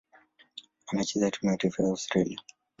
Anachezea timu ya taifa ya Australia.